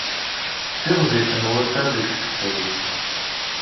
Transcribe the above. Ttiɣzifen wussan deg tefsut.